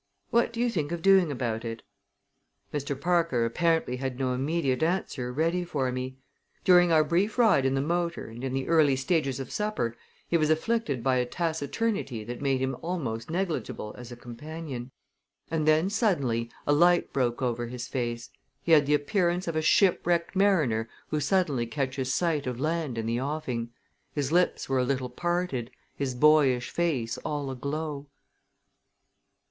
What do you think of doing about it?" Mr. Parker apparently had no immediate answer ready for me. During our brief ride in the motor and in the early stages of supper he was afflicted by a taciturnity that made him almost negligible as a companion. And then suddenly a light broke over his face. He had the appearance of a shipwrecked mariner who suddenly catches sight of land in the offing. His lips were a little parted, his boyish face all aglow.